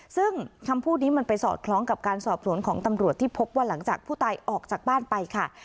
ซึ่งคำพูดนี้มันไปสอดคล้องกับการสอบสวนของตำรวจที่พบว่าหลังจากผู้ตายออกจากบ้านไปค่ะ